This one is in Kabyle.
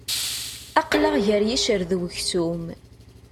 Aql-aɣ ger iccer d uksum.